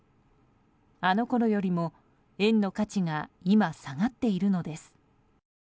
あのころよりも円の価値が今、下がっているのです。